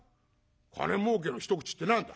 「金儲けの一口って何だ？」。